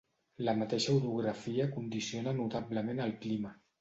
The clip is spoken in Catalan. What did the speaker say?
La mateixa orografia condiciona notablement el clima.